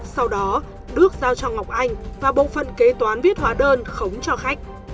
sau đó đức giao cho ngọc anh và bộ phân kế toán viết hóa đơn khống cho khách